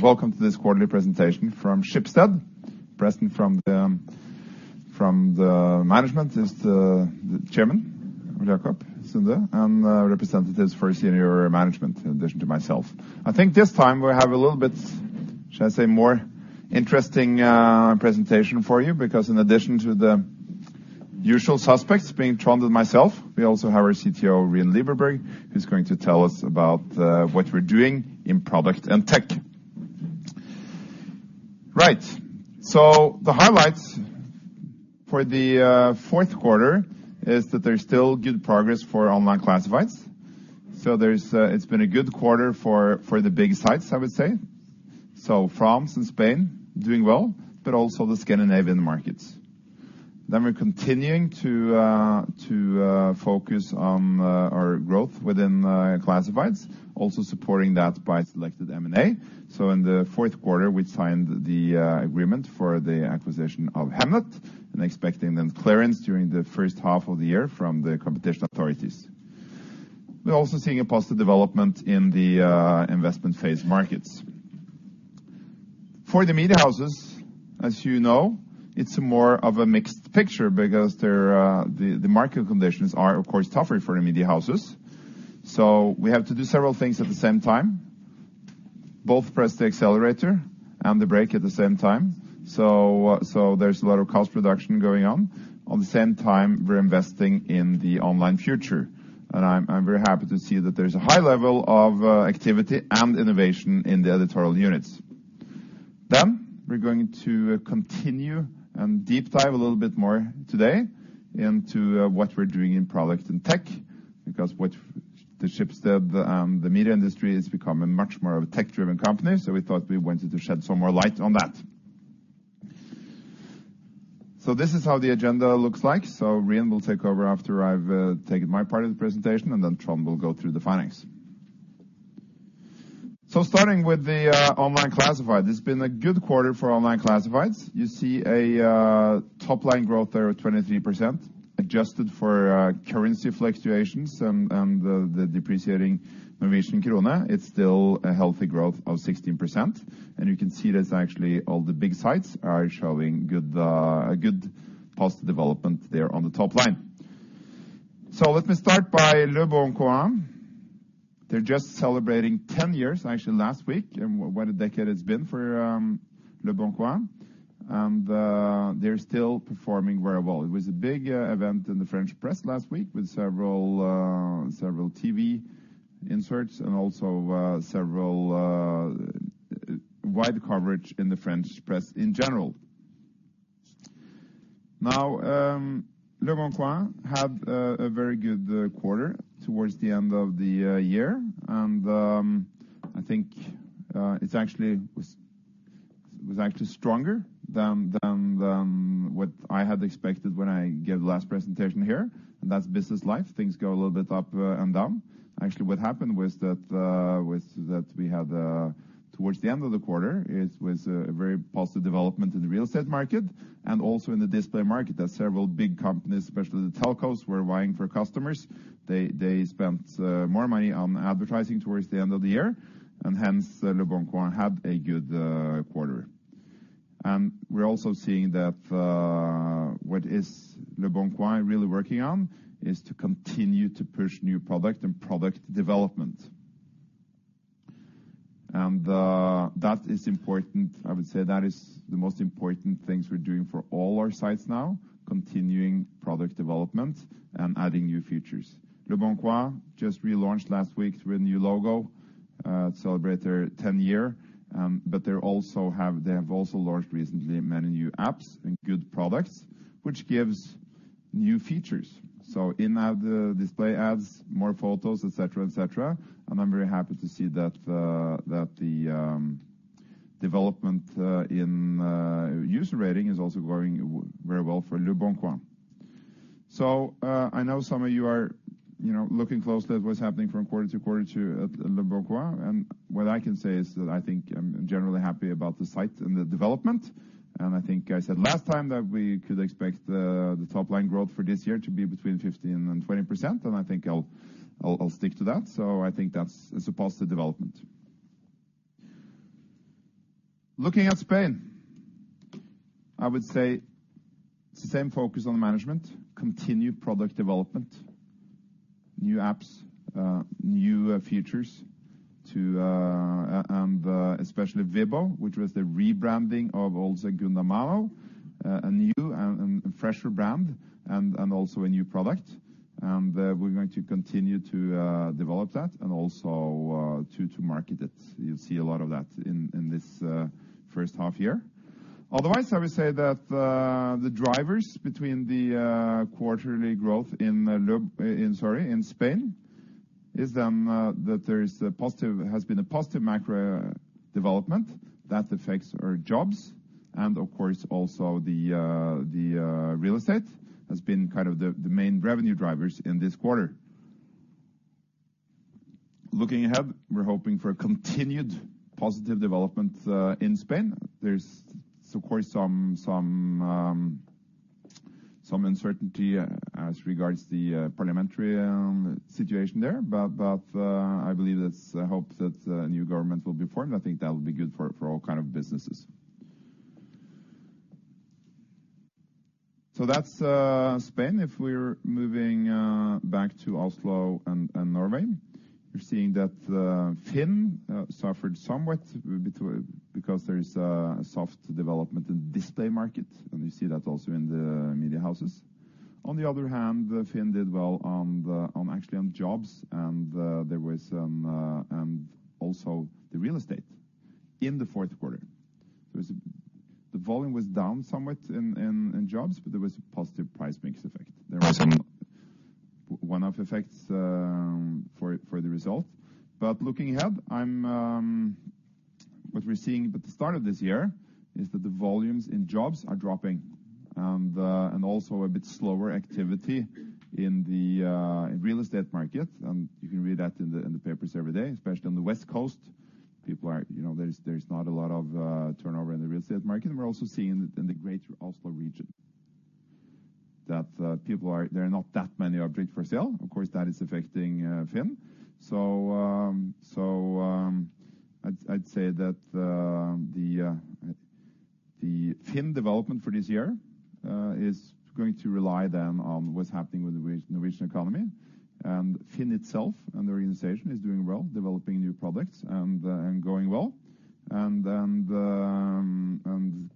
Welcome to this quarterly presentation from Schibsted. Present from the management is the Chairman, Ole Jacob Sunde, and representatives for senior management in addition to myself. I think this time we have a little bit, shall I say, more interesting presentation for you, because in addition to the usual suspects, being Trond and myself, we also have our CTO, Rian Liebenberg, who's going to tell us about what we're doing in product and tech. The highlights for the fourth quarter is that there's still good progress for online classifieds. It's been a good quarter for the big sites, I would say. France and Spain doing well, but also the Scandinavian markets. We're continuing to focus on our growth within classifieds, also supporting that by selected M&A. In the fourth quarter, we signed the agreement for the acquisition of Hemnet, and expecting then clearance during the first half of the year from the competition authorities. We're also seeing a positive development in the investment phase markets. For the media houses, as you know, it's more of a mixed picture because the market conditions are, of course, tougher for the media houses. We have to do several things at the same time, both press the accelerator and the brake at the same time. There's a lot of cost reduction going on. On the same time, we're investing in the online future, and I'm very happy to see that there's a high level of activity and innovation in the editorial units. We're going to continue and deep dive a little bit more today into what we're doing in product and tech, because what the Schibsted, the media industry, has become a much more of a tech-driven company, so we thought we wanted to shed some more light on that. This is how the agenda looks like. Rian will take over after I've taken my part of the presentation, and then Trond will go through the findings. Starting with the online classifieds, it's been a good quarter for online classifieds. You see a top-line growth there of 23%. Adjusted for currency fluctuations and the depreciating Norwegian krone, it's still a healthy growth of 16%. You can see that actually all the big sites are showing a good positive development there on the top line. Let me start by leboncoin. They're just celebrating 10 years, actually last week, and what a decade it's been for leboncoin. They're still performing very well. It was a big event in the French press last week with several TV inserts and also several wide coverage in the French press in general. Now, leboncoin had a very good quarter towards the end of the year. I think it's actually was actually stronger than what I had expected when I gave the last presentation here. That's business life. Things go a little bit up and down. Actually, what happened was that we had, towards the end of the quarter was a very positive development in the real estate market and also in the display market, that several big companies, especially the telcos, were vying for customers. They spent more money on advertising towards the end of the year. Hence leboncoin had a good quarter. We're also seeing that what is leboncoin really working on is to continue to push new product and product development. That is important. I would say that is the most important things we're doing for all our sites now, continuing product development and adding new features. leboncoin just relaunched last week with a new logo, celebrate their 10 year. They have also launched recently many new apps and good products, which gives new features. In-app display ads, more photos, et cetera, et cetera. I'm very happy to see that the development in user rating is also going very well for leboncoin. I know some of you are, you know, looking closely at what's happening from quarter to quarter, at leboncoin. What I can say is that I think I'm generally happy about the site and the development. I think I said last time that we could expect the top-line growth for this year to be between 15% and 20%, I think I'll stick to that. I think that's, it's a positive development. Looking at Spain, I would say same focus on management, continued product development, new apps, new features, and especially Vibbo, which was the rebranding of Segundamano, a new and fresher brand and also a new product. We're going to continue to develop that and also to market it. You'll see a lot of that in this first half year. Otherwise, I would say that the drivers between the quarterly growth in Spain is then that there is a positive, has been a positive macro development that affects our jobs. Of course, also the real estate has been kind of the main revenue drivers in this quarter. Looking ahead, we're hoping for a continued positive development in Spain. There's, of course, some uncertainty as regards the parliamentary situation there, but I believe there's a hope that a new government will be formed. I think that will be good for all kind of businesses. That's Spain. If we're moving back to Oslo and Norway, we're seeing that FINN suffered somewhat because there is soft development in display market, and we see that also in the media houses. On the other hand, FINN did well on actually on jobs and there was also the real estate in the fourth quarter. The volume was down somewhat in jobs, but there was a positive price mix effect. There was some one-off effects for the result. Looking ahead, what we're seeing at the start of this year is that the volumes in jobs are dropping and also a bit slower activity in the real estate market. You can read that in the papers every day, especially on the West Coast. People are, you know, there's not a lot of turnover in the real estate market. We're also seeing in the greater Oslo region that there are not that many objects for sale. Of course, that is affecting FINN. I'd say that the FINN development for this year is going to rely then on what's happening with the region economy. FINN itself and the organization is doing well, developing new products and going well.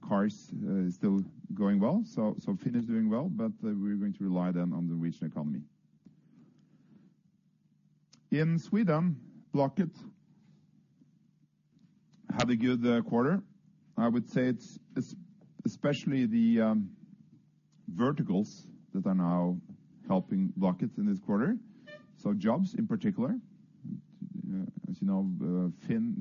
Cars is still going well. FINN is doing well, but we're going to rely then on the region economy. In Sweden, Blocket had a good quarter. I would say it's especially the verticals that are now helping Blocket in this quarter. Jobs in particular. As you know, FINN,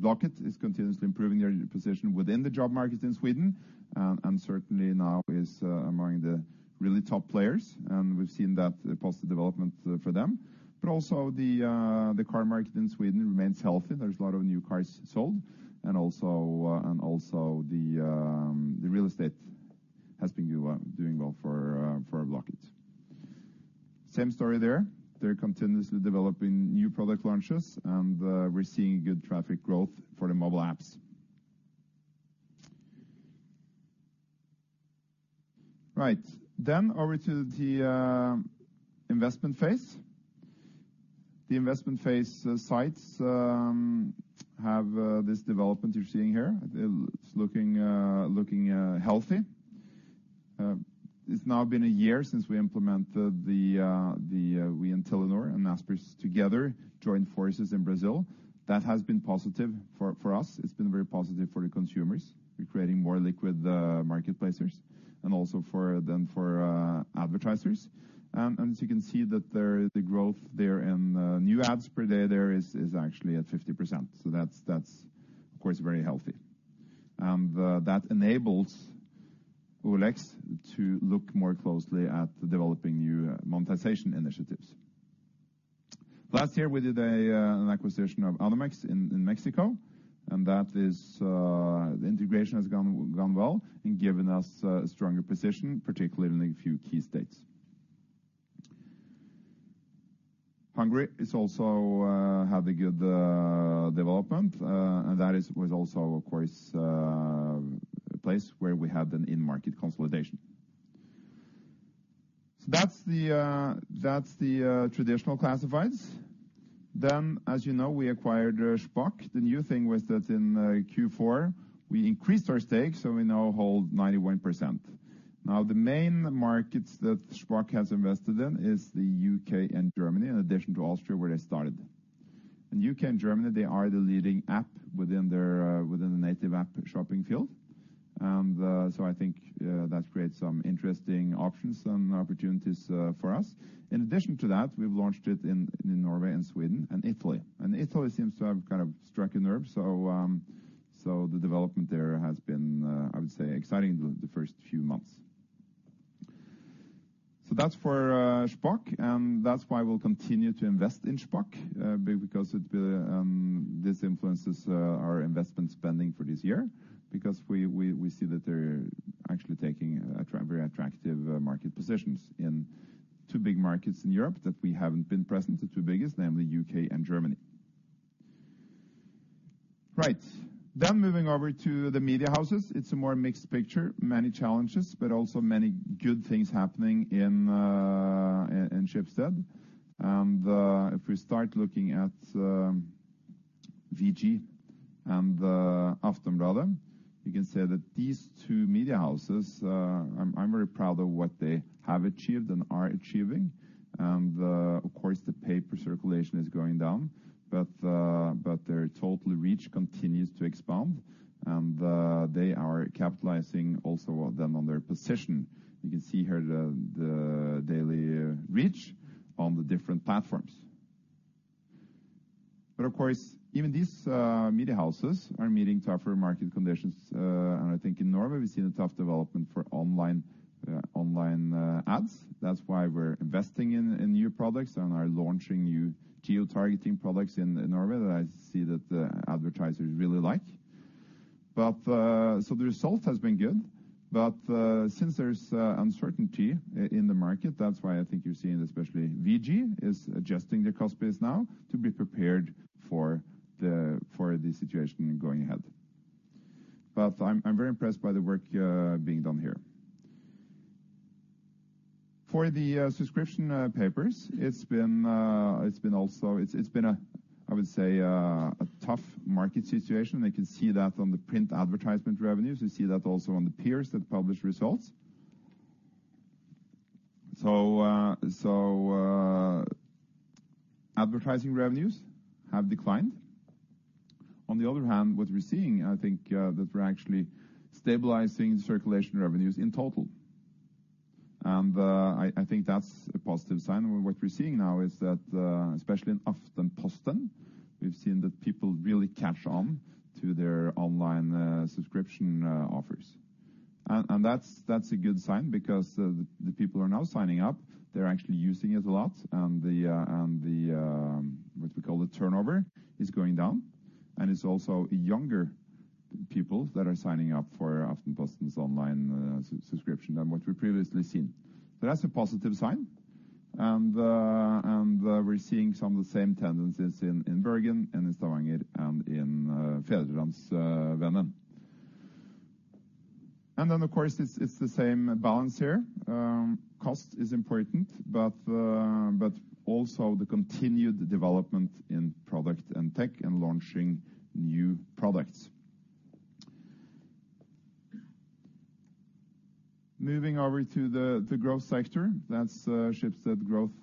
Blocket is continuously improving their position within the job market in Sweden, and certainly now is among the really top players, and we've seen that positive development for them. Also, the car market in Sweden remains healthy. There's a lot of new cars sold and also the real estate has been doing well for Blocket. Same story there. They're continuously developing new product launches, and we're seeing good traffic growth for the mobile apps. Right. Over to the investment phase. The investment phase sites have this development you're seeing here. It's looking healthy. It's now been a year since we implemented the Telenor and Naspers together joined forces in Brazil. That has been positive for us. It's been very positive for the consumers. We're creating more liquid marketplaces and also for advertisers. As you can see that there, the growth there in new ads per day there is actually at 50%. That's, of course, very healthy. That enables OLX to look more closely at developing new monetization initiatives. Last year, we did an acquisition of Anumex in Mexico, and that is the integration has gone well and given us a stronger position, particularly in a few key states. Hungary is also had a good development. That was also of course a place where we had an in-market consolidation. That's the traditional classifieds. As you know, we acquired Shpock. The new thing was that in Q4, we increased our stake, so we now hold 91%. The main markets that Shpock has invested in is the U.K. and Germany, in addition to Austria where they started. In U.K. and Germany, they are the leading app within the native app shopping field. I think that creates some interesting options and opportunities for us. In addition to that, we've launched it in Norway and Sweden and Italy. Italy seems to have kind of struck a nerve. The development there has been, I would say exciting the first few months. That's for Shpock, and that's why we'll continue to invest in Shpock because this influences our investment spending for this year because we see that they're actually taking very attractive market positions in two big markets in Europe that we haven't been present, the two biggest, namely U.K. and Germany. Right. Moving over to the media houses. It's a more mixed picture, many challenges, but also many good things happening in Schibsted. If we start looking at VG and Aftenposten, you can say that these two media houses, I'm very proud of what they have achieved and are achieving. Of course, the paper circulation is going down, but their total reach continues to expand, and they are capitalizing also then on their position. You can see here the daily reach on the different platforms. Of course, even these media houses are meeting tougher market conditions. And I think in Norway we've seen a tough development for online ads. That's why we're investing in new products and are launching new geo-targeting products in Norway that I see that the advertisers really like. The result has been good. Since there's uncertainty in the market, that's why I think you're seeing especially VG is adjusting their cost base now to be prepared for the situation going ahead. I'm very impressed by the work being done here. For the subscription papers, it's been, I would say, a tough market situation. They can see that from the print advertisement revenues. You see that also on the peers that publish results. Advertising revenues have declined. On the other hand, what we're seeing, I think, that we're actually stabilizing circulation revenues in total. I think that's a positive sign. What we're seeing now is that, especially in Aftenposten, we've seen that people really catch on to their online subscription offers. That's a good sign because the people are now signing up. They're actually using it a lot. The, what we call the turnover is going down. It's also younger people that are signing up for Aftenposten's online subscription than what we've previously seen. That's a positive sign. We're seeing some of the same tendencies in Bergens, in Stavanger, and in Fædrelandsvennen. Then, of course, it's the same balance here. Cost is important, but also the continued development in product and tech, and launching new products. Moving over to the growth sector, that's Schibsted growth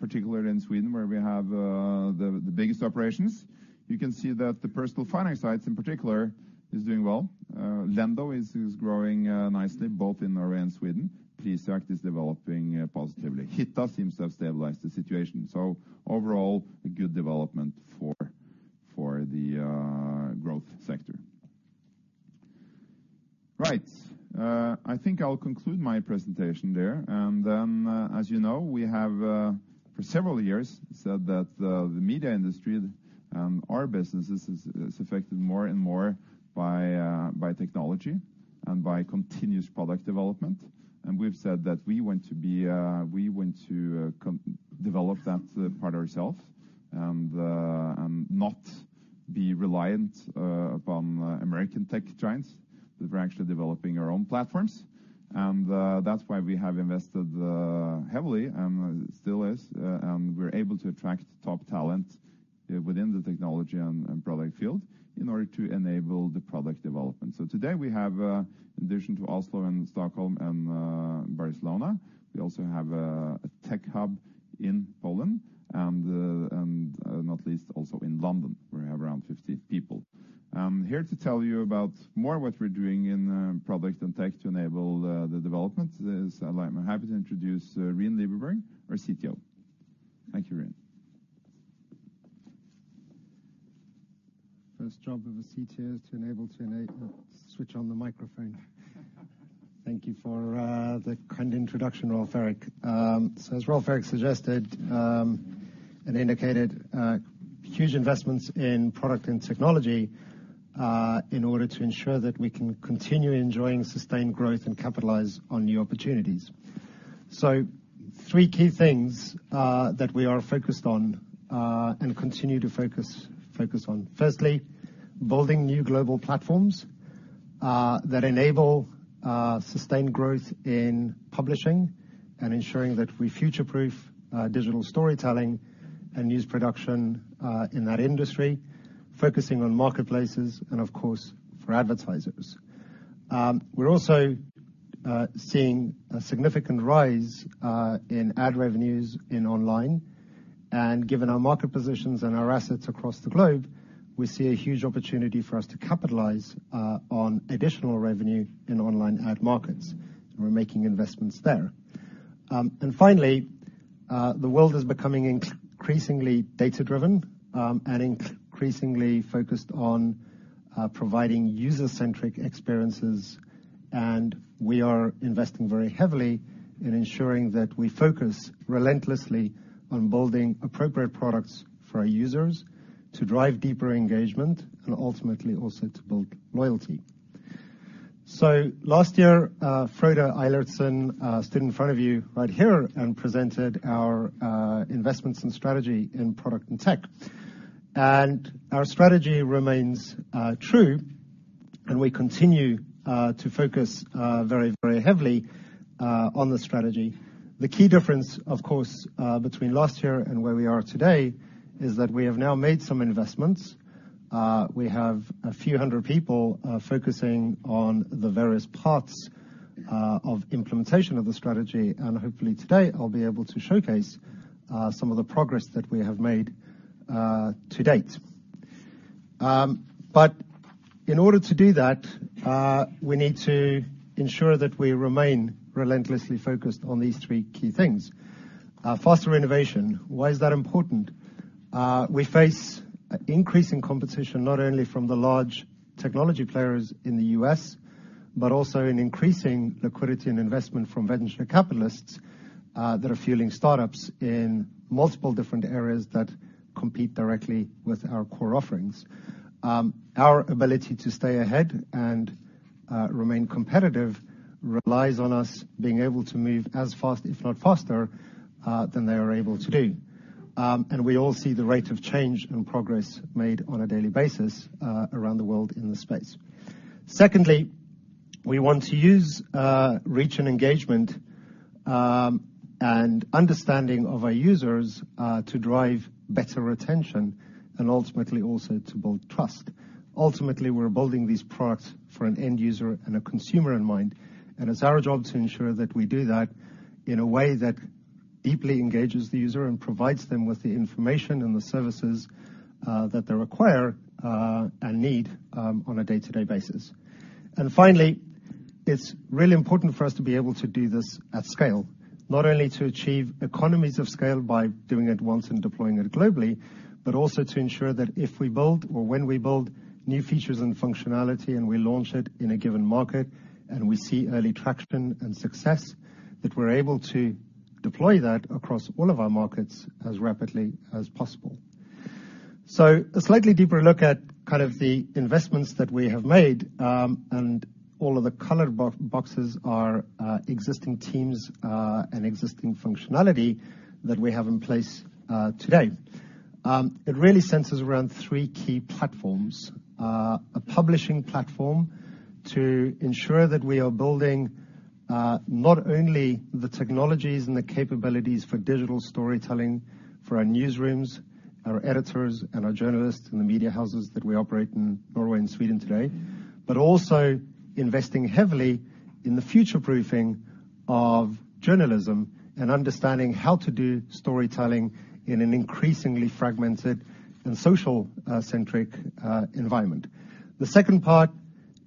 particularly in Sweden, where we have the biggest operations. You can see that the personal finance sites in particular is doing well. Lendo is growing nicely both in Norway and Sweden. Prisjakt is developing positively. Hitta seems to have stabilized the situation. Overall, a good development for the growth sector. Right. I think I'll conclude my presentation there. As you know, we have for several years said that the media industry and our business is affected more and more by technology and by continuous product development. We've said that we want to be, we want to develop that part ourself and not be reliant upon American tech giants. We're actually developing our own platforms. That's why we have invested heavily and still is, and we're able to attract top talent within the technology and product field in order to enable the product development. Today we have, in addition to Oslo and Stockholm and Barcelona, we also have a tech hub in Poland and, not least, also in London, where we have around 50 people. Here to tell you about more what we're doing in product and tech to enable the development is I'm happy to introduce Rian Liebenberg, our CTO. Thank you, Rian. First job of a CTO is to enable switch on the microphone. Thank you for the kind introduction, Rolv Erik. As Rolv Erik suggested and indicated, huge investments in product and technology in order to ensure that we can continue enjoying sustained growth and capitalize on new opportunities. Three key things that we are focused on and continue to focus on. Firstly, building new global platforms that enable sustained growth in publishing and ensuring that we future-proof digital storytelling and news production in that industry, focusing on marketplaces and of course for advertisers. We're also seeing a significant rise in ad revenues in online. Given our market positions and our assets across the globe, we see a huge opportunity for us to capitalize on additional revenue in online ad markets. We're making investments there. Finally, the world is becoming increasingly data-driven and increasingly focused on providing user-centric experiences. We are investing very heavily in ensuring that we focus relentlessly on building appropriate products for our users to drive deeper engagement and ultimately also to build loyalty. Last year, Frode Eilertsen stood in front of you right here and presented our investments and strategy in product and tech. Our strategy remains true, and we continue to focus very heavily on the strategy. The key difference, of course, between last year and where we are today is that we have now made some investments. We have a few hundred people focusing on the various parts of implementation of the strategy. Hopefully, today I'll be able to showcase some of the progress that we have made to date. In order to do that, we need to ensure that we remain relentlessly focused on these three key things. Foster innovation. Why is that important? We face increasing competition, not only from the large technology players in the U.S. but also in increasing liquidity and investment from venture capitalists that are fueling startups in multiple different areas that compete directly with our core offerings. Our ability to stay ahead and remain competitive relies on us being able to move as fast, if not faster, than they are able to do. We all see the rate of change and progress made on a daily basis, around the world in the space. Secondly, we want to use reach and engagement, and understanding of our users, to drive better retention and ultimately also to build trust. Ultimately, we're building these products for an end user and a consumer in mind, and it's our job to ensure that we do that in a way that deeply engages the user and provides them with the information and the services that they require and need on a day-to-day basis. Finally, it's really important for us to be able to do this at scale. Not only to achieve economies of scale by doing it once and deploying it globally, but also to ensure that if we build or when we build new features and functionality, and we launch it in a given market, and we see early traction and success, that we're able to deploy that across all of our markets as rapidly as possible. A slightly deeper look at kind of the investments that we have made, and all of the colored boxes are existing teams, and existing functionality that we have in place today. It really centers around three key platforms. A publishing platform to ensure that we are building, not only the technologies and the capabilities for digital storytelling for our newsrooms, our editors and our journalists in the media houses that we operate in Norway and Sweden today. Also investing heavily in the future proofing of journalism and understanding how to do storytelling in an increasingly fragmented and social, centric environment. The second part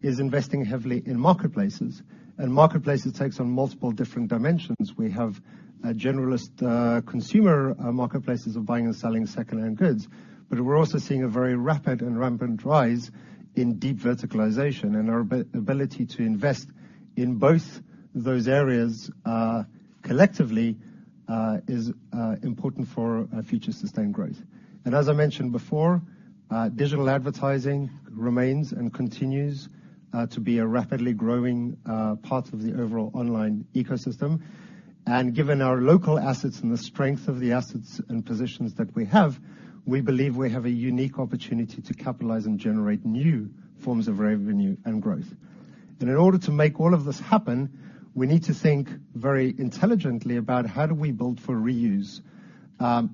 is investing heavily in marketplaces. Marketplaces takes on multiple different dimensions. We have a generalist, consumer marketplaces of buying and selling second-hand goods, but we're also seeing a very rapid and rampant rise in deep verticalization. Our ability to invest in both those areas, collectively, is important for future sustained growth. As I mentioned before, digital advertising remains and continues to be a rapidly growing part of the overall online ecosystem. Given our local assets and the strength of the assets and positions that we have, we believe we have a unique opportunity to capitalize and generate new forms of revenue and growth. In order to make all of this happen, we need to think very intelligently about how do we build for reuse.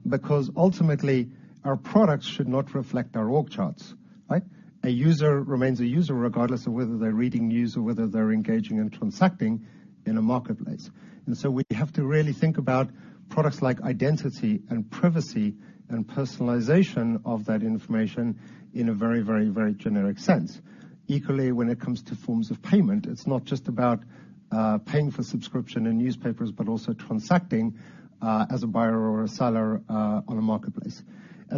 Because ultimately, our products should not reflect our org charts, right? A user remains a user regardless of whether they're reading news or whether they're engaging and transacting in a marketplace. We have to really think about products like identity and privacy and personalization of that information in a very, very, very generic sense. Equally, when it comes to forms of payment, it's not just about paying for subscription and newspapers, but also transacting as a buyer or a seller on a marketplace.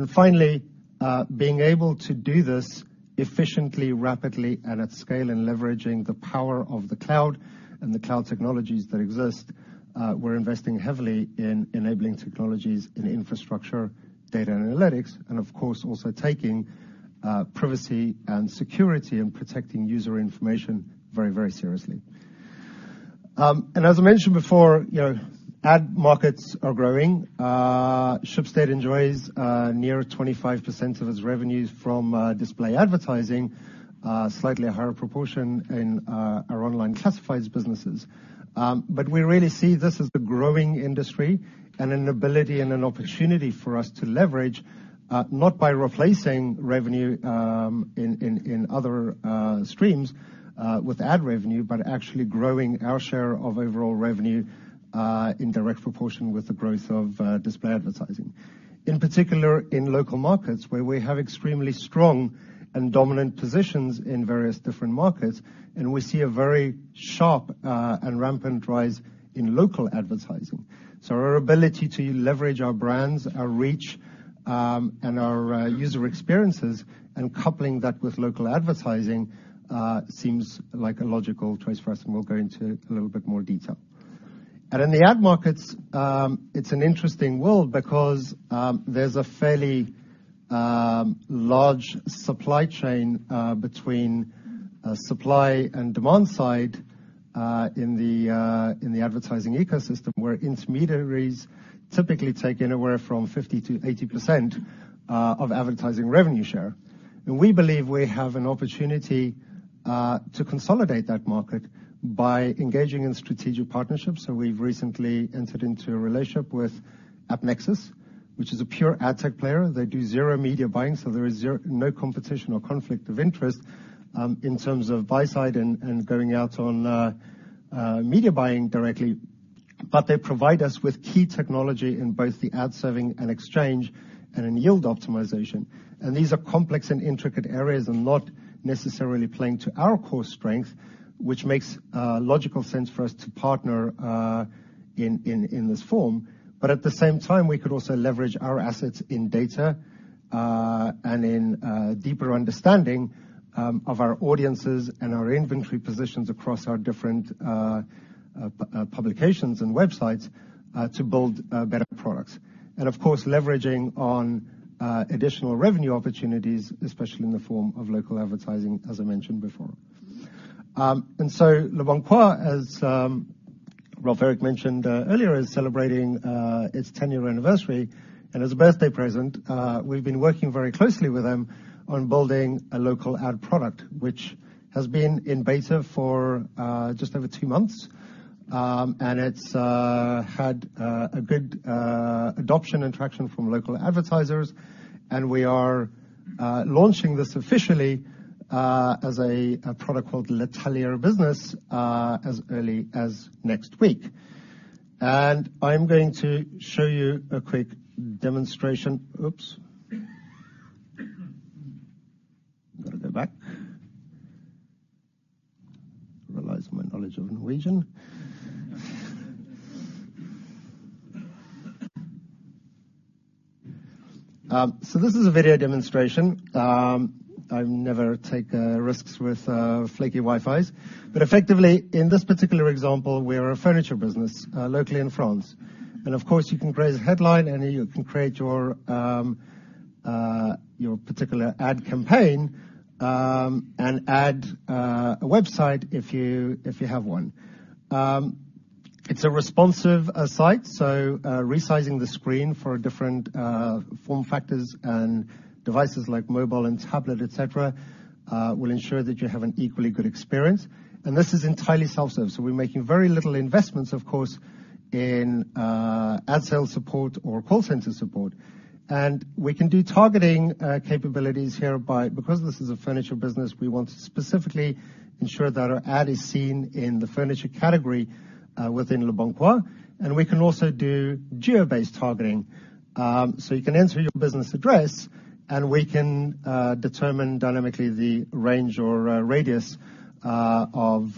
Finally, being able to do this efficiently, rapidly, and at scale, and leveraging the power of the cloud and the cloud technologies that exist, we're investing heavily in enabling technologies in infrastructure, data, and analytics, and of course, also taking privacy and security and protecting user information very, very seriously. As I mentioned before, you know, ad markets are growing. Schibsted enjoys near 25% of its revenues from display advertising, slightly a higher proportion in our online classifieds businesses. We really see this as a growing industry and an ability and an opportunity for us to leverage, not by replacing revenue in other streams with ad revenue, but actually growing our share of overall revenue in direct proportion with the growth of display advertising. In particular, in local markets, where we have extremely strong and dominant positions in various different markets, and we see a very sharp and rampant rise in local advertising. Our ability to leverage our brands, our reach, and our user experiences and coupling that with local advertising seems like a logical choice for us, and we'll go into a little bit more detail. In the ad markets, it's an interesting world because there's a fairly large supply chain between supply and demand side in the advertising ecosystem, where intermediaries typically take anywhere from 50%-80% of advertising revenue share. We believe we have an opportunity to consolidate that market by engaging in strategic partnerships. We've recently entered into a relationship with AppNexus, which is a pure ad tech player. They do zero media buying, so there is zero no competition or conflict of interest, in terms of buy side and going out on media buying directly. They provide us with key technology in both the ad serving and exchange and in yield optimization. These are complex and intricate areas and not necessarily playing to our core strength, which makes logical sense for us to partner in this form. At the same time, we could also leverage our assets in data and in deeper understanding of our audiences and our inventory positions across our different publications and websites, to build better products. Of course, leveraging on additional revenue opportunities, especially in the form of local advertising, as I mentioned before. leboncoin, as Rolv Erik mentioned earlier, is celebrating its 10-year anniversary. As a birthday present, we've been working very closely with them on building a local ad product, which has been in beta for just over two months. It's had a good adoption and traction from local advertisers. We are launching this officially as a product called L'Atelier Business as early as next week. I'm going to show you a quick demonstration. Oops. Gonna go back. Realize my knowledge of Norwegian. This is a video demonstration. I never take risks with flaky Wi-Fis. Effectively, in this particular example, we're a furniture business locally in France. Of course, you can create a headline, and you can create your particular ad campaign, and add a website if you, if you have one. It's a responsive site, so resizing the screen for different form factors and devices like mobile and tablet, et cetera, will ensure that you have an equally good experience. This is entirely self-serve, so we're making very little investments, of course, in ad sales support or call center support. We can do targeting capabilities here because this is a furniture business, we want to specifically ensure that our ad is seen in the furniture category, within leboncoin, and we can also do geo-based targeting. You can enter your business address, and we can determine dynamically the range or radius of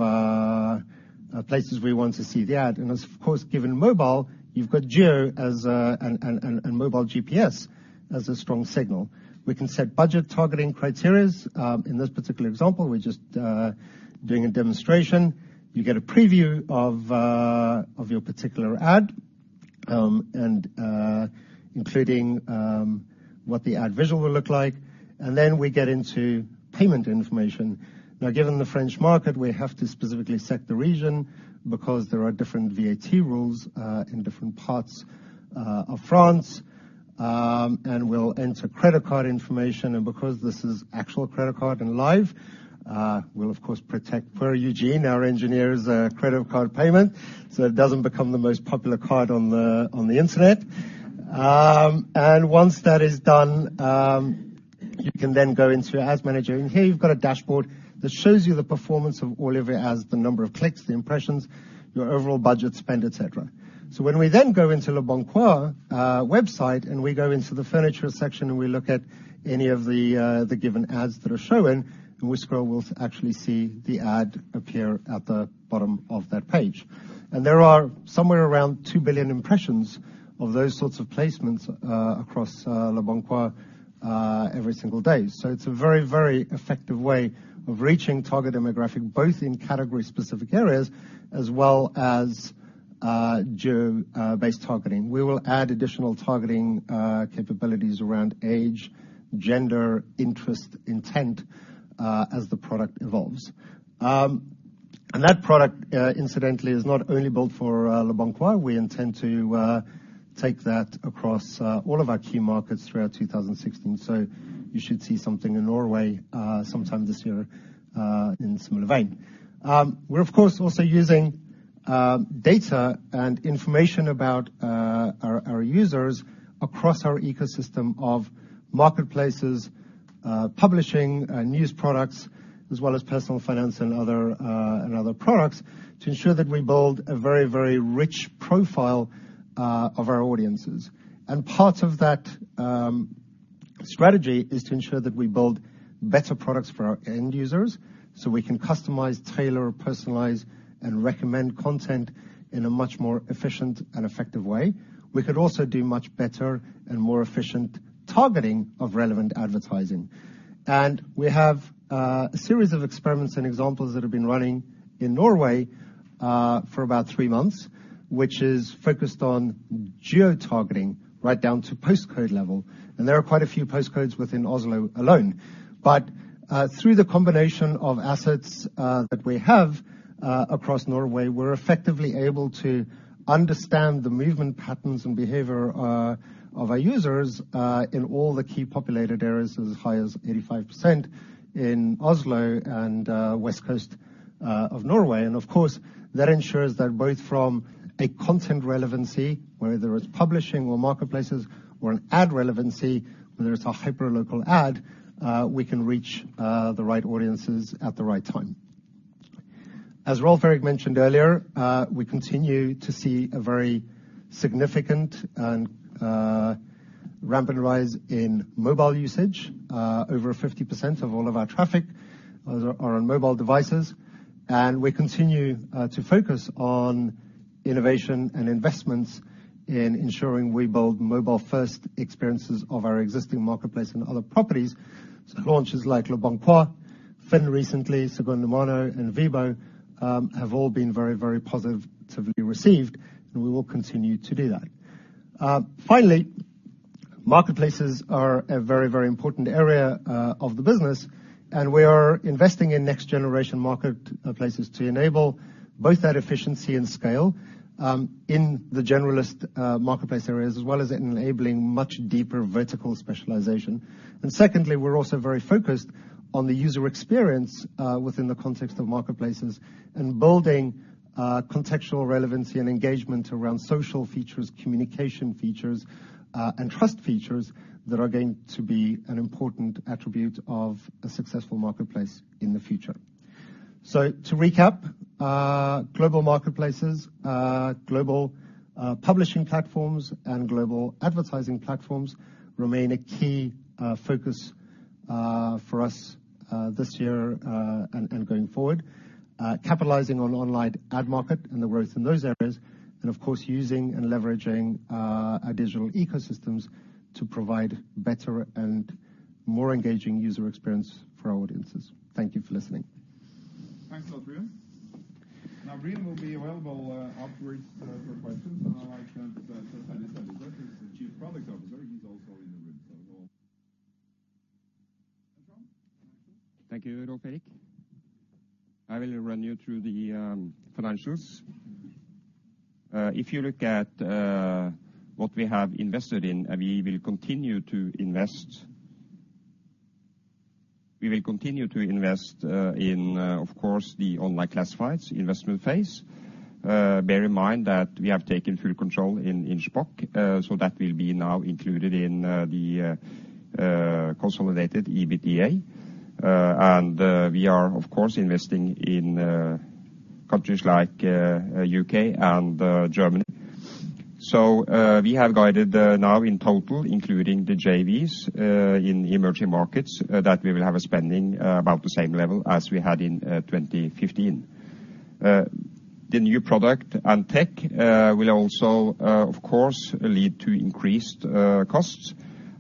places we want to see the ad. Of course, given mobile, you've got geo as and mobile GPS as a strong signal. We can set budget targeting criterias. In this particular example, we're just doing a demonstration. You get a preview of your particular ad, and including what the ad visual will look like. We get into payment information. Now, given the French market, we have to specifically set the region because there are different VAT rules in different parts of France. We'll enter credit card information. Because this is actual credit card and live, we'll of course protect poor Eugene, our engineer's credit card payment, so it doesn't become the most popular card on the internet. Once that is done, you can then go into your ads manager. Here you've got a dashboard that shows you the performance of all of your ads, the number of clicks, the impressions, your overall budget spend, et cetera. When we then go into leboncoin website, and we go into the furniture section, and we look at any of the given ads that are showing, and we scroll, we'll actually see the ad appear at the bottom of that page. There are somewhere around 2 billion impressions of those sorts of placements across leboncoin every single day. It's a very, very effective way of reaching target demographic, both in category-specific areas as well as geo-targeting. We will add additional targeting capabilities around age, gender, interest, intent as the product evolves. And that product, incidentally, is not only built for leboncoin. We intend to take that across all of our key markets throughout 2016. You should see something in Norway sometime this year in similar vein. We're of course also using data and information about our users across our ecosystem of marketplaces, publishing news products, as well as personal finance and other and other products to ensure that we build a very, very rich profile of our audiences. Part of that strategy is to ensure that we build better products for our end users, so we can customize, tailor, personalize, and recommend content in a much more efficient and effective way. We could also do much better and more efficient targeting of relevant advertising. We have a series of experiments and examples that have been running in Norway for about three months, which is focused on geo-targeting right down to postcode level. There are quite a few postcodes within Oslo alone. Through the combination of assets that we have across Norway, we're effectively able to understand the movement patterns and behavior of our users in all the key populated areas as high as 85% in Oslo and west coast of Norway. Of course, that ensures that both from a content relevancy, whether it's publishing or marketplaces, or an ad relevancy, whether it's a hyperlocal ad, we can reach the right audiences at the right time. As Rolv Erik mentioned earlier, we continue to see a very significant and rampant rise in mobile usage. Over 50% of all of our traffic are on mobile devices. We continue to focus on innovation and investments in ensuring we build mobile-first experiences of our existing marketplace and other properties. Launches like leboncoin, FINN recently, Segundamano, and Vibbo have all been very, very positively received, and we will continue to do that. Marketplaces are a very, very important area of the business, and we are investing in next generation marketplaces to enable both that efficiency and scale in the generalist marketplace areas, as well as enabling much deeper vertical specialization. Secondly, we're also very focused on the user experience within the context of marketplaces and building contextual relevancy and engagement around social features, communication features, and trust features that are going to be an important attribute of a successful marketplace in the future. To recap, global marketplaces, global publishing platforms, and global advertising platforms remain a key focus for us this year and going forward. Capitalizing on online ad market and the growth in those areas, of course, using and leveraging, our digital ecosystems to provide better and more engaging user experience for our audiences. Thank you for listening. Thanks, Rolv Erik. Rian will be available afterwards for questions. I'd like to introduce Trond Berger, who's the Chief Financial Officer. He's also in the room, so. Thank you, Rolv Erik. I will run you through the financials. If you look at what we have invested in, and we will continue to invest in, of course, the online classifieds investment phase. Bear in mind that we have taken full control in Shpock, so that will be now included in the consolidated EBITDA. We are, of course, investing in countries like U.K. and Germany. We have guided now in total, including the JVs, in emerging markets, that we will have a spending about the same level as we had in 2015. The new product and tech will also, of course, lead to increased costs.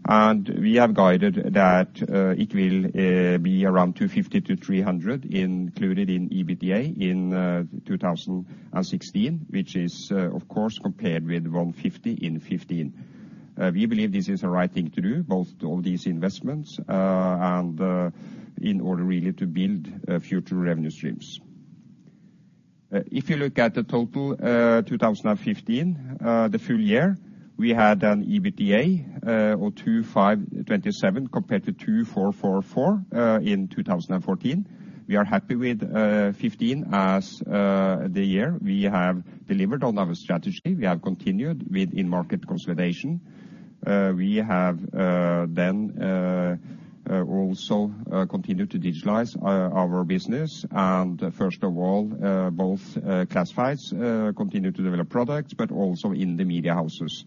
We have guided that it will be around 250-300 included in EBITDA in 2016, which is of course compared with 150 in 2015. We believe this is the right thing to do, both all these investments, and in order really to build future revenue streams. If you look at the total 2015, the full year, we had an EBITDA of 2,527 compared to 2,444 in 2014. We are happy with 2015 as the year. We have delivered on our strategy. We have continued with in-market consolidation. We have then also continued to digitalize our business and first of all, both classifieds, continue to develop products but also in the media houses.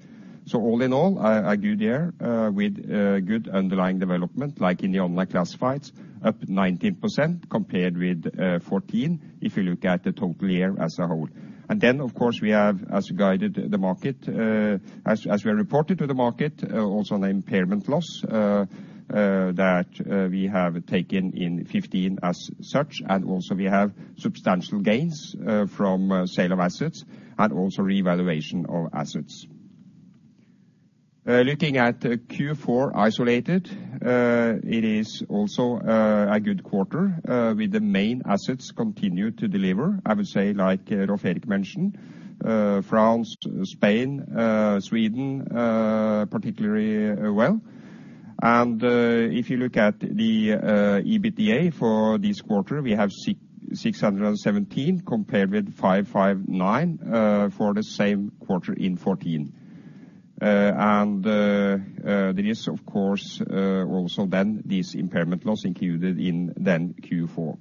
All in all, a good year, with good underlying development, like in the online classifieds, up 19% compared with 2014, if you look at the total year as a whole. Then, of course, we have, as guided the market, as we reported to the market, also an impairment loss that we have taken in 2015 as such. Also, we have substantial gains from sale of assets and also reevaluation of assets. Looking at Q4 isolated, it is also a good quarter, with the main assets continue to deliver, I would say, like Rolv Erik mentioned, France, Spain, Sweden, particularly well. If you look at the EBITDA for this quarter, we have 617 compared with 559 for the same quarter in 2014. There is, of course, also then this impairment loss included in then Q4.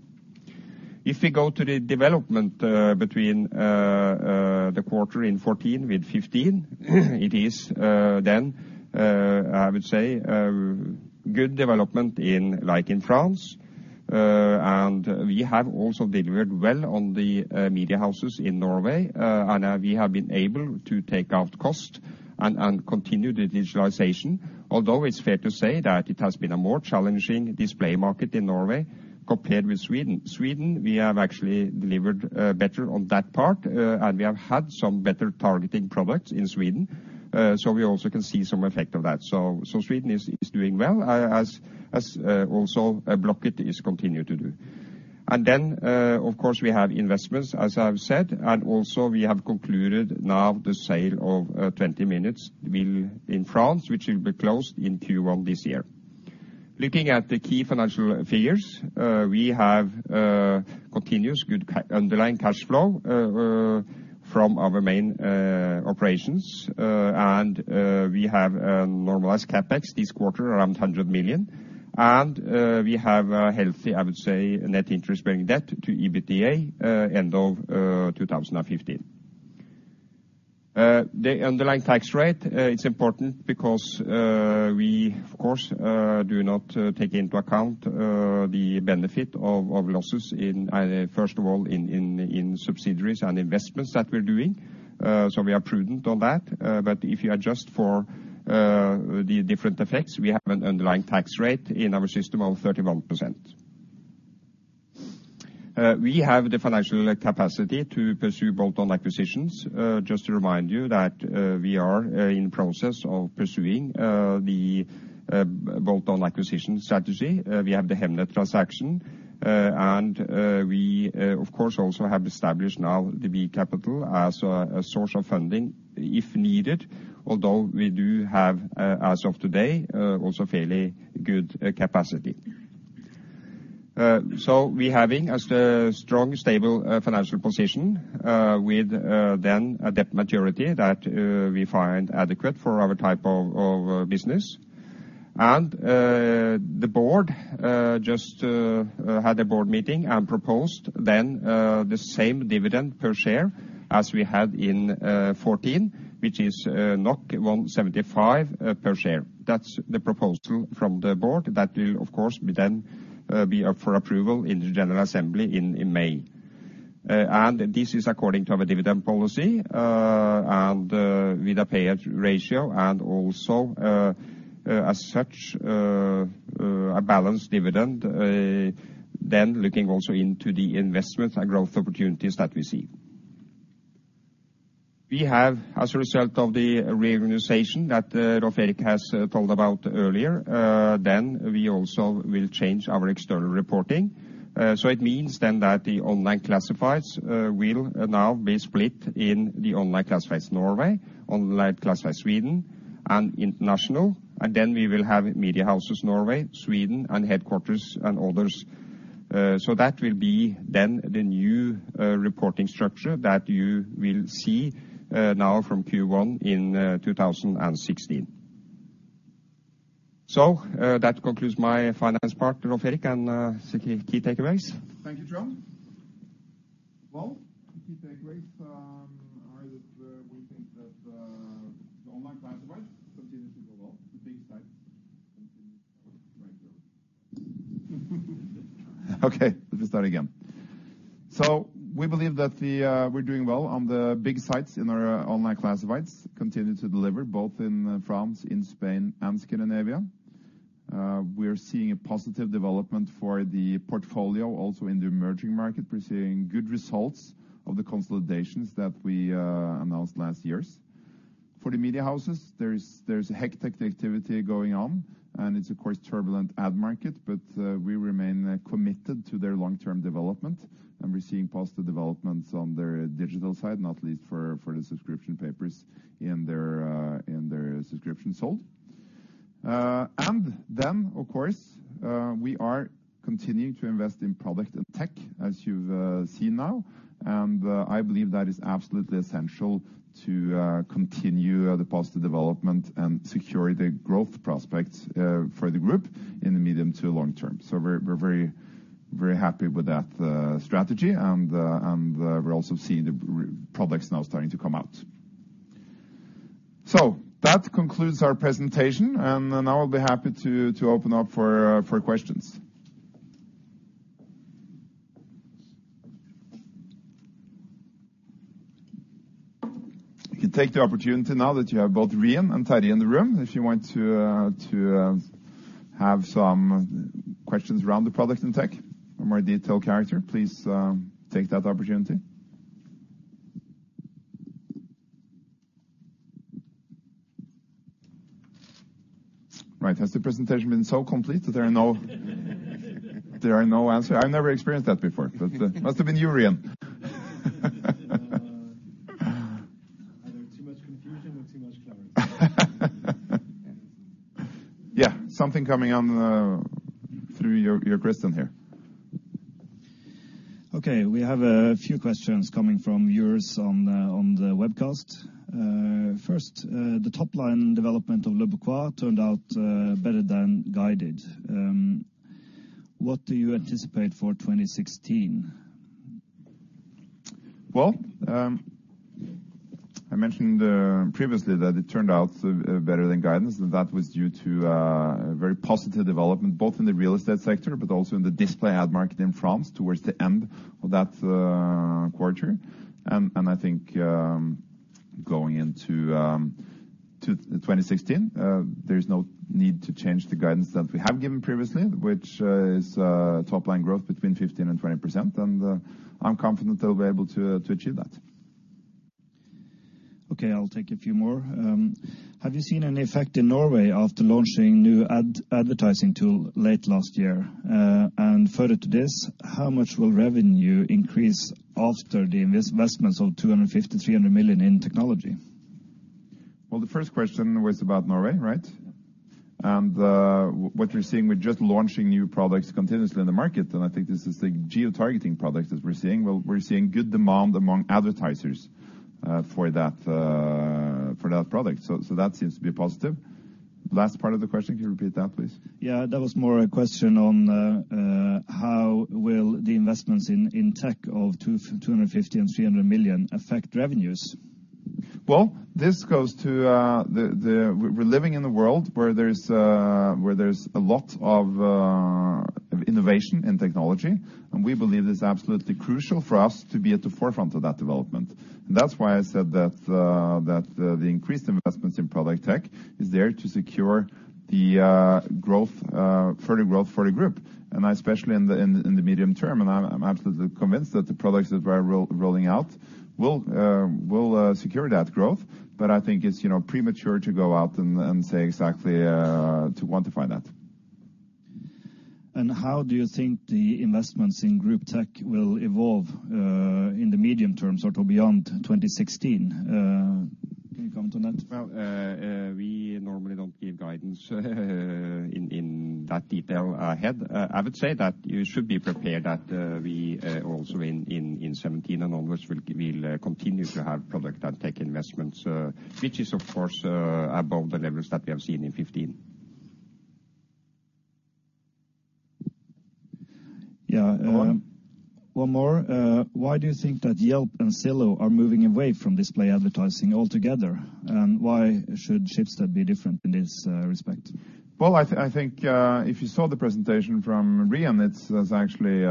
If we go to the development between the quarter in 2014 with 2015, it is then I would say good development in, like in France. We have also delivered well on the media houses in Norway, and we have been able to take out cost and continue the digitalization. Although it's fair to say that it has been a more challenging display market in Norway compared with Sweden. Sweden, we have actually delivered better on that part, and we have had some better targeting products in Sweden, so we also can see some effect of that. Sweden is doing well, as also Blocket is continue to do. Of course, we have investments, as I've said, and also we have concluded now the sale of 20 Minutes in France, which will be closed in Q1 this year. Looking at the key financial figures, we have continuous good underlying cash flow from our main operations. We have a normalized CapEx this quarter around 100 million. We have a healthy, I would say, net interest-bearing debt to EBITDA end of 2015. The underlying tax rate, it's important because we, of course, do not take into account the benefit of losses in first of all in subsidiaries and investments that we're doing. We are prudent on that. If you adjust for the different effects, we have an underlying tax rate in our system of 31%. We have the financial capacity to pursue bolt-on acquisitions. Just to remind you that we are in process of pursuing the bolt-on acquisition strategy. We have the Hemnet transaction. We, of course, also have established now the B capital as a source of funding if needed. Although we do have, as of today, also fairly good capacity. We having as the strong, stable financial position with then a debt maturity that we find adequate for our type of business. The board just had a board meeting and proposed then the same dividend per share as we had in 2014, which is 1.75 per share. That's the proposal from the board. That will of course be then be up for approval in the general assembly in May. This is according to our dividend policy and with the payout ratio and also as such a balanced dividend then looking also into the investment and growth opportunities that we see. We have, as a result of the reorganization that Rolv Erik has told about earlier, then we also will change our external reporting. It means then that the online classifieds will now be split in the Online Classifieds Norway, Online Classifieds Sweden, and International. Then we will have Media Houses Norway, Sweden, and Headquarters and Others. That will be then the new reporting structure that you will see now from Q1 in 2016. That concludes my finance part, Rolv Erik, and key takeaways. Thank you, Trond. Well, the key takeaways are that we think that the online classifieds continues to go well. The big sites continue to go right there. Okay, let me start again. We believe that we're doing well on the big sites in our online classifieds, continue to deliver both in France, in Spain, and Scandinavia. We're seeing a positive development for the portfolio also in the emerging market. We're seeing good results of the consolidations that we announced last years. For the media houses, there's hectic activity going on, and it's of course turbulent ad market, but we remain committed to their long-term development. We're seeing positive developments on their digital side, not least for the subscription papers in their subscription sold. Then of course, we are continuing to invest in product and tech as you've seen now. I believe that is absolutely essential to continue the positive development and security growth prospects for the group in the medium to long term. We're very, very happy with that strategy and we're also seeing the products now starting to come out. That concludes our presentation, and now I'll be happy to open up for questions. You can take the opportunity now that you have both Rian and Terry in the room if you want to have some questions around the product and tech of more detailed character, please take that opportunity. Right. Has the presentation been so complete that there are no answer? I've never experienced that before, but must have been you, Rian. Either too much confusion or too much clever. Yeah, something coming on, through your question here. Okay, we have a few questions coming from viewers on the webcast. First, the top line development of leboncoin turned out better than guided. What do you anticipate for 2016? Well, I mentioned previously that it turned out better than guidance, and that was due to a very positive development, both in the real estate sector but also in the display ad market in France towards the end of that quarter. I think going into 2016, there's no need to change the guidance that we have given previously, which is top line growth between 15% and 20%. I'm confident that we'll be able to achieve that. Okay, I'll take a few more. Have you seen any effect in Norway after launching new advertising tool late last year? Further to this, how much will revenue increase after the investments of 250 million-300 million in technology? Well, the first question was about Norway, right? Yeah. What we're seeing, we're just launching new products continuously in the market, and I think this is the geo-targeting product as we're seeing. Well, we're seeing good demand among advertisers, for that, for that product. That seems to be positive. Last part of the question, can you repeat that, please? That was more a question on how will the investments in tech of 250 million and 300 million affect revenues? Well, this goes to, we're living in a world where there's a lot of innovation and technology, we believe it's absolutely crucial for us to be at the forefront of that development. That's why I said that the increased investments in product tech is there to secure the growth, further growth for the group, and especially in the medium term. I'm absolutely convinced that the products that we're rolling out will secure that growth. I think it's, you know, premature to go out and say exactly to quantify that. How do you think the investments in group tech will evolve in the medium term, sort of beyond 2016? Can you comment on that? We normally don't give guidance in that detail ahead. I would say that you should be prepared that we also in 2017 and onwards will continue to have product and tech investments, which is of course, above the levels that we have seen in 2015. Yeah. Go on. One more. Why do you think that Yelp and Zillow are moving away from display advertising altogether? Why should Schibsted be different in this respect? Well, I think if you saw the presentation from Rian, it's actually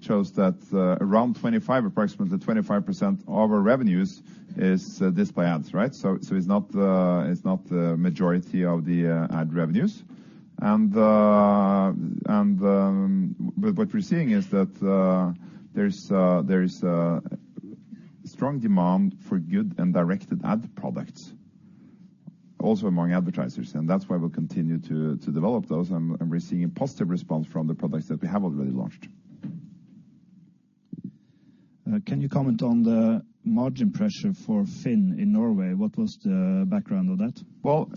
shows that around 25%, approximately 25% of our revenues is display ads, right? It's not the majority of the ad revenues. What we're seeing is that there's strong demand for good and directed ad products also among advertisers, and that's why we'll continue to develop those. We're seeing a positive response from the products that we have already launched. Can you comment on the margin pressure for FINN.no in Norway? What was the background of that? Well,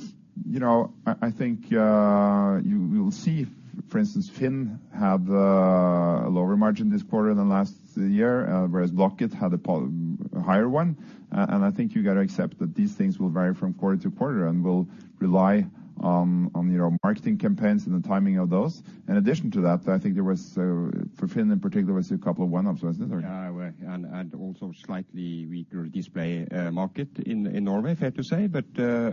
you know, I think, you'll see, for instance, FINN had a lower margin this quarter than last year, whereas Blocket had a higher one. I think you gotta accept that these things will vary from quarter to quarter, and we'll rely on, you know, marketing campaigns and the timing of those. In addition to that, I think there was, for FINN, in particular, a couple of one-offs, wasn't it? Also slightly weaker display market in Norway, fair to say.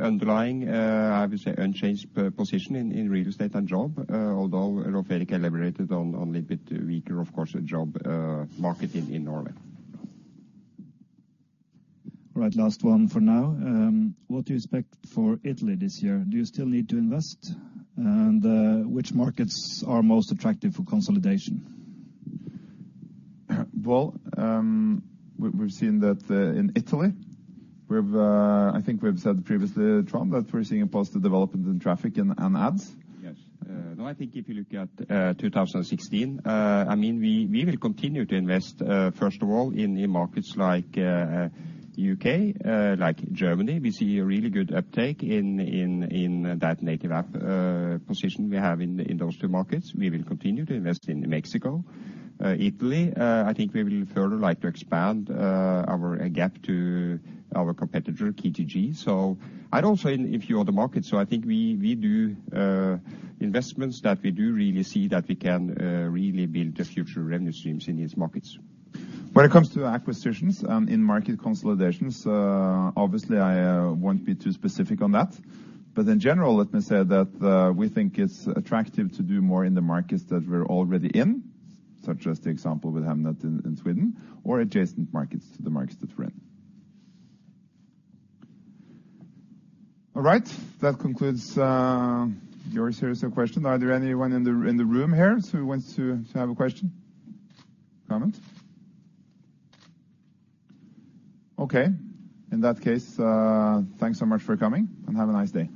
Underlying, I would say unchanged position in real estate and job, although Rolv Erik elaborated on a little bit weaker, of course, job market in Norway. All right, last one for now. What do you expect for Italy this year? Do you still need to invest? Which markets are most attractive for consolidation? We've seen that in Italy, I think we've said previously, Trond, that we're seeing a positive development in traffic and ads. Yes. No, I think if you look at 2016, I mean, we will continue to invest, first of all, in markets like U.K., like Germany. We see a really good uptake in, in that native app position we have in those two markets. We will continue to invest in Mexico. Italy, I think we will further like to expand our gap to our competitor, Kijiji. I'd also in few other markets. I think we do investments that we do really see that we can really build the future revenue streams in these markets. It comes to acquisitions and in-market consolidations, obviously, I won't be too specific on that. In general, let me say that we think it's attractive to do more in the markets that we're already in, such as the example with Hemnet in Sweden, or adjacent markets to the markets that we're in. That concludes your series of questions. Are there anyone in the room here who wants to have a question? Comment? In that case, thanks so much for coming, and have a nice day.